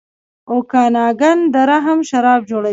اوکاناګن دره هم شراب جوړوي.